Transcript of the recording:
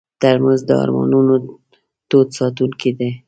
ترموز د ارمانونو تود ساتونکی دی.